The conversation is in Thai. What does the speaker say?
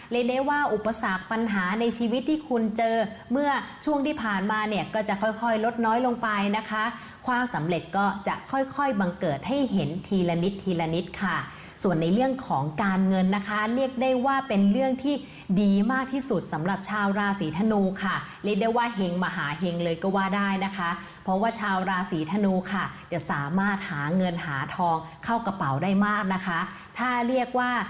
เรียกได้ว่าอุปสรรคปัญหาในชีวิตที่คุณเจอเมื่อช่วงที่ผ่านมาเนี่ยก็จะค่อยลดน้อยลงไปนะคะความสำเร็จก็จะค่อยบังเกิดให้เห็นทีละนิดทีละนิดค่ะส่วนในเรื่องของการเงินนะคะเรียกได้ว่าเป็นเรื่องที่ดีมากที่สุดสำหรับชาวราศีธนูค่ะเรียกได้ว่าเห็งมหาเห็งเลยก็ว่าได้นะคะเพราะว่าชาวราศี